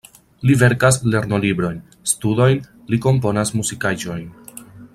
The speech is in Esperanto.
Li verkas lernolibrojn, studojn, li komponas muzikaĵojn.